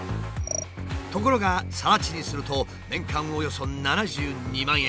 ところが更地にすると年間およそ７２万円。